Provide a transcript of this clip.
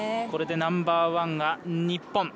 これでナンバーワンが日本。